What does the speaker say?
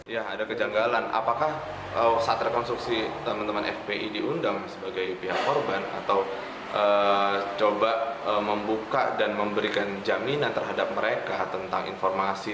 ya ada kejanggalan apakah saat rekonstruksi teman teman fpi diundang sebagai pihak korban atau coba membuka dan memberikan jaminan terhadap mereka tentang informasi